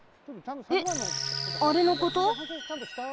えっあれのこと？